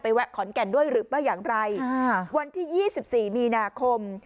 แวะขอนแก่นด้วยหรือไม่อย่างไรวันที่๒๔มีนาคม